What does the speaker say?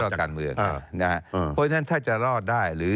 เพราะฉะนั้นถ้าจะรอดได้หรือ